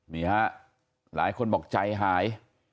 นี่ฮะหลายคนบอกใจหาย